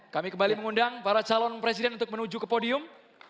kami kembali mengundang para calon presiden untuk menuju ke podium